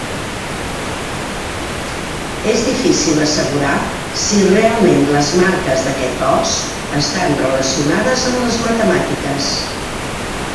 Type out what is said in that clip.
És difícil assegurar si realment les marques d'aquest os estan relacionades amb les matemàtiques.